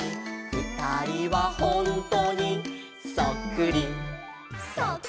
「ふたりはほんとにそっくり」「」